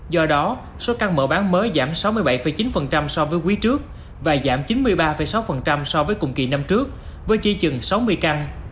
do đó số căn mở bán mới giảm sáu mươi bảy chín so với quý trước và giảm chín mươi ba sáu so với cùng kỳ năm trước với chỉ chừng sáu mươi căn